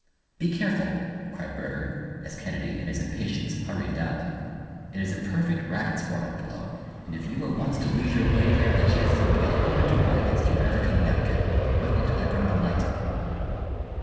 "Be careful!" cried Burger, as Kennedy, in his impatience, hurried down them. "It is a perfect rabbits' warren below, and if you were once to lose your way there, the chances would be a hundred to one against your ever coming out again. Wait until I bring the light."